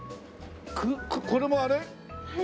これもあれ？